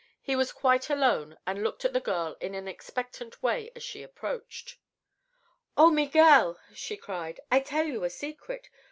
He was quite alone and looked at the girl in an expectant way as she approached. "Oh, Miguel!" she cried. "I tell you a secret.